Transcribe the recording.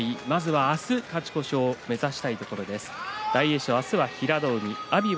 明日、勝ち越しを目指したいところです。